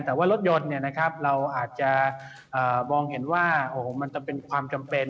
แต่ว่ารถยนต์เราอาจจะมองเห็นว่ามันจะเป็นความจำเป็น